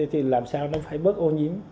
thì làm sao nó phải bớt ô nhiễm